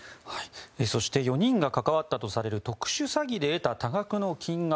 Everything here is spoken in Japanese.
そして４人が関わったとされる特殊詐欺で得た多額の金額